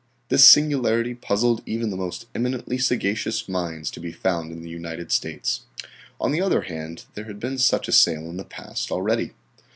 This singularity puzzled even the most eminently sagacious minds to be found in the United States. On the other hand, there had been such a sale in the past already.